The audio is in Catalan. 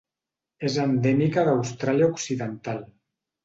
És endèmica d'Austràlia Occidental.